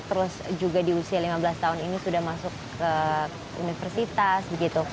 terus juga di usia lima belas tahun ini sudah masuk ke universitas begitu